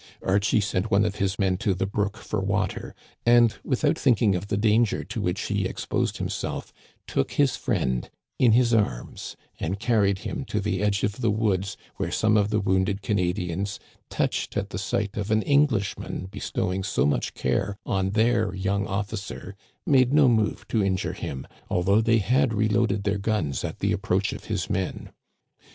Archie sent one of his men to the brook for water, and, without thinking of the danger to which he exposed himself, took his friend in his arms and carried him to the edge of the woods, where some of the wounded Ca nadians, touched at the sight of an Englishman bestow ing so much care on their young officer, made no move to injure him, although they had reloaded their guns at the approach of his men.